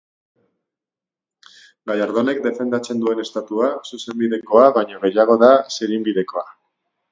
Gallardonek defendatzen duen Estatua, zuzenbidekoa baino, gehiago da zirinbidekoa.